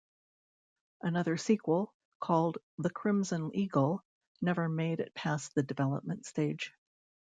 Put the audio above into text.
Another sequel, called "The Crimson Eagle", never made it past the development stage.